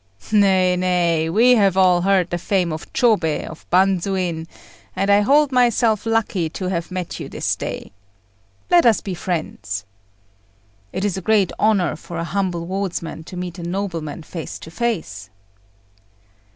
"Nay, nay; we have all heard the fame of Chôbei, of Bandzuin, and I hold myself lucky to have met you this day. Let us be friends." "It is a great honour for a humble wardsman to meet a nobleman face to face."